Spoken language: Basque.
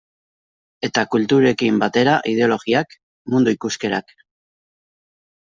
Eta kulturekin batera ideologiak, mundu ikuskerak...